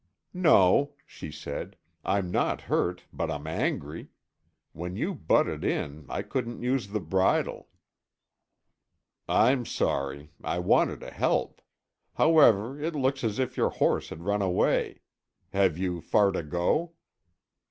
"No," she said. "I'm not hurt, but I'm angry. When you butted in I couldn't use the bridle." "I'm sorry; I wanted to help. However, it looks as if your horse had run away. Have you far to go?"